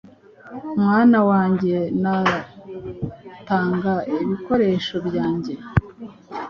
Mwana wanjye natanga ibikoresho byanjye